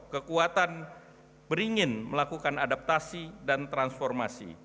kekuatan beringin melakukan adaptasi dan transformasi